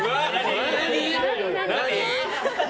何？